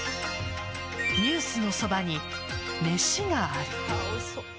「ニュースのそばに、めしがある。」